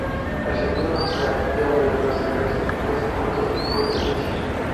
El servicio ferroviario de pasajeros está compuesto por dos tipos de servicios.